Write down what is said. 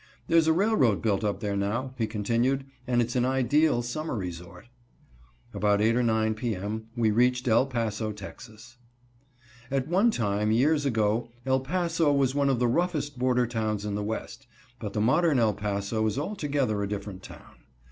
There's a railroad built up there now," he continued, "and its an ideal summer resort." About 8 or 9 p. m. we reached El Paso, Tex. At one time, years ago, El Paso was one of the roughest border towns in the West, but the modern El Paso is altogether a different town.